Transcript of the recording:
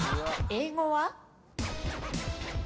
英語は？